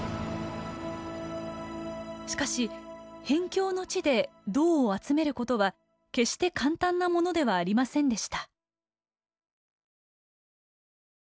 しかし辺境の地で銅を集めることは決して簡単なものではありませんでした。